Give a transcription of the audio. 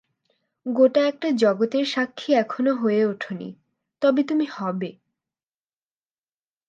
গোটা একটা জগতের সাক্ষী এখনো হয়ে ওঠোনি, তবে তুমি হবে।